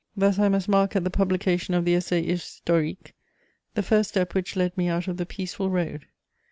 Thus I must mark at the publication of the Essai historique the first step which led me out of the peaceful road.